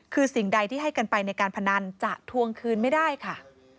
คือสิ่งใดที่ให้กันไปในการพนันจะทวงคืนไม่ได้ค่ะ